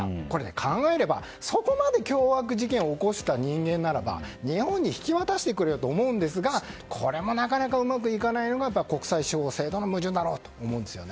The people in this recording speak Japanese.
考えれば、そこまで凶悪事件を起こした人間ならば日本に引き渡してくれよと思うんですがこれもなかなかうまくいかないのが国際司法制度の矛盾だろと思うんですね。